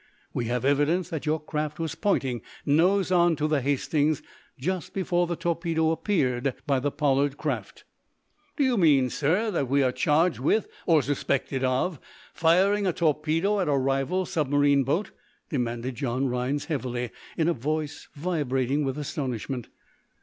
We have evidence that your craft was pointing nose on to the 'Hastings,' just before the torpedo appeared by the Pollard craft." "Do you mean, sir, that we are charged with or suspected of firing a torpedo at a rival submarine boat?" demanded John Rhinds, heavily, in a voice vibrating with astonishment.